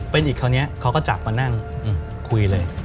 เป็นอีกคราวนี้เขาก็จับมานั่งคุยเลย